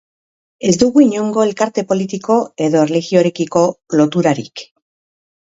Ez du inongo elkarte politiko edo erlijiorekiko loturarik.